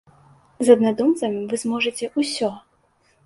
З аднадумцамі вы зможаце ўсё!